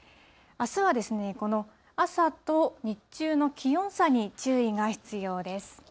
あすは、この朝と日中の気温差に注意が必要です。